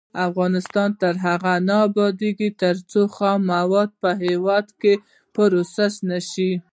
افغانستان تر هغو نه ابادیږي، ترڅو خام مواد په هیواد کې پروسس نشي.